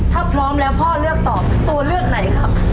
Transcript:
ถ้าพร้อมแล้วพ่อเลือกตอบตัวเลือกไหนครับ